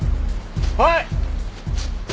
はい！